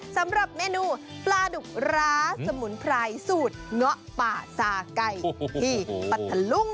สำหรับเมนูปลาดุกร้าสมุนไพรสูตรเงาะป่าซาไก่ที่พัทธลุง